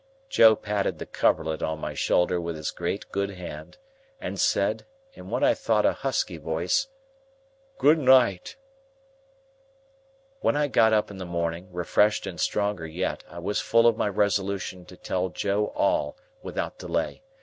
Joe patted the coverlet on my shoulder with his great good hand, and said, in what I thought a husky voice, "Good night!" When I got up in the morning, refreshed and stronger yet, I was full of my resolution to tell Joe all, without delay.